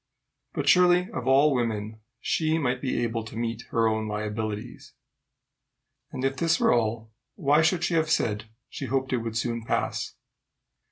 But surely of all women she might be able to meet her own liabilities. And if this were all, why should she have said she hoped it would soon pass?